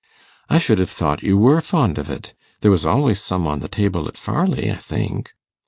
'I should have thought you were fond of it. There was always some on the table at Farleigh, I think.